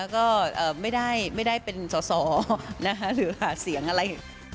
ก็ไม่ได้เป็นสอสอหรือหาเสียงอะไร